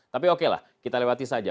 tapi okelah kita lewati saja